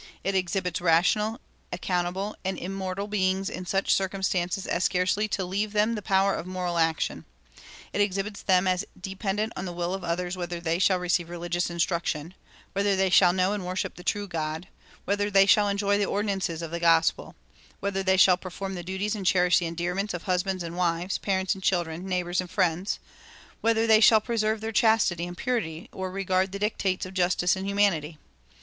It exhibits rational, accountable, and immortal beings in such circumstances as scarcely to leave them the power of moral action. It exhibits them as dependent on the will of others whether they shall receive religious instruction; whether they shall know and worship the true God; whether they shall enjoy the ordinances of the gospel; whether they shall perform the duties and cherish the endearments of husbands and wives, parents and children, neighbors and friends; whether they shall preserve their chastity and purity or regard the dictates of justice and humanity.